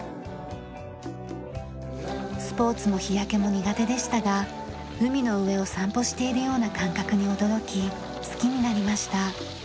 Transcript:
スポーツも日焼けも苦手でしたが海の上を散歩しているような感覚に驚き好きになりました。